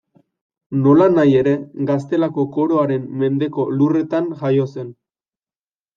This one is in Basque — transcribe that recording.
Nolanahi ere, Gaztelako Koroaren mendeko lurretan jaio zen.